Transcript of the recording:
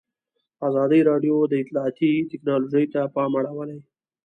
ازادي راډیو د اطلاعاتی تکنالوژي ته پام اړولی.